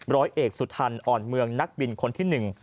ร้อยเอกสุทันอ่อนเมืองนักบินคนที่หนึ่ง